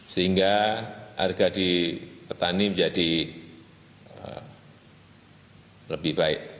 sehingga harga di petani menjadi lebih baik